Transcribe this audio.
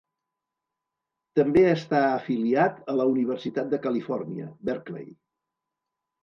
També està afiliat a la Universitat de Califòrnia, Berkeley.